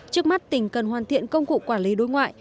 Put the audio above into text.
trước mắt tỉnh cần hoàn thiện công cụ quản lý đối ngoại